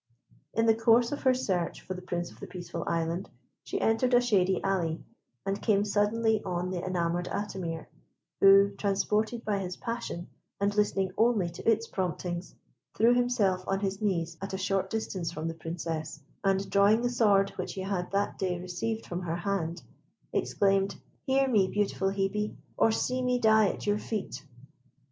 In the course of her search for the Prince of the Peaceful Island, she entered a shady alley, and came suddenly on the enamoured Atimir, who, transported by his passion, and listening only to its promptings, threw himself on his knees at a short distance from the Princess, and drawing the sword which he had that day received from her hand, exclaimed, "Hear me, beautiful Hebe! or see me die at your feet!"